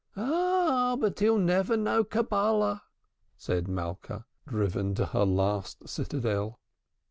"Ah, but he'll never know Cabbulah," said Malka, driven to her last citadel.